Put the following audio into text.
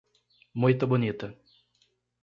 Moita Bonita